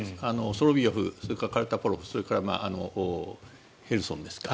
ソロビヨフ、カルタポロフそれからヘルソンですか。